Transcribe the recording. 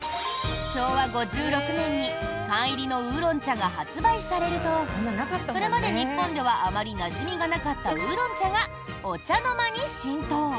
昭和５６年に缶入りの烏龍茶が発売されるとそれまで日本ではあまりなじみがなかった烏龍茶がお茶の間に浸透。